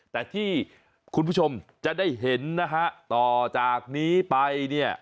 แต่ที่คุณผู้ชมจะได้เห็นนะฮะต่อจากนี้ไปเนี่ย